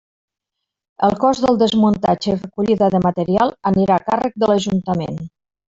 El cost del desmuntatge i recollida de material anirà a càrrec de l'ajuntament.